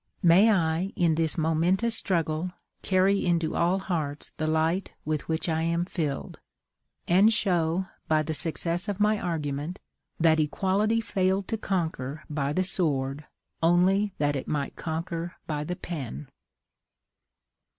May I, in this momentous struggle, carry into all hearts the light with which I am filled; and show, by the success of my argument, that equality failed to conquer by the sword only that it might conquer by the pen!